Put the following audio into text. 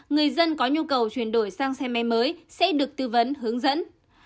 người dân có nhu cầu chuyển đổi sang xe máy mới sẽ được tư vấn hướng dẫn